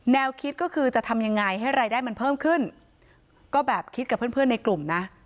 แนวคิดก็คือจะทำยังไงให้รายได้มันเพิ่มขึ้นก็แบบคิดกับเพื่อนเพื่อนในกลุ่มนะ